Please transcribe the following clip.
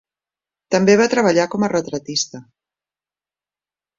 També va treballar com a retratista.